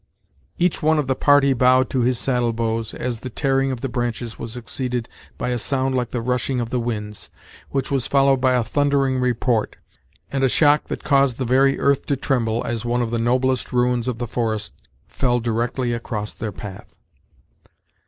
Each one of the party bowed to his saddle bows as the tearing of branches was succeeded by a sound like the rushing of the winds, which was followed by a thundering report, and a shock that caused the very earth to tremble as one of the noblest ruins of the forest fell directly across their path.